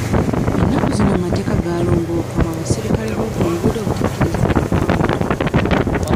Ennaku zino amateeka gaalongookamu abasirikale bookunguudo obutakkirizibwa kugoba mmotoka.